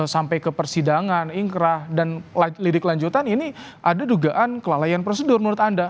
sampai ke persidangan ingkrah dan lidik lanjutan ini ada dugaan kelalaian prosedur menurut anda